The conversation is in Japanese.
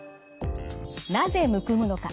なぜむくむのか。